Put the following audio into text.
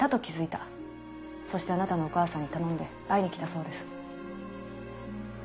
そしてあなたのお母さんに頼んで会いに来たそうです。